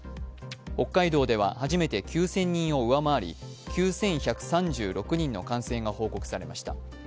北海道では初めて９０００人を上回り、９１３６人の感染が報告されました。